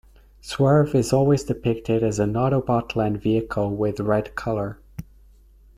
Swerve is always depicted as an Autobot land vehicle with red color.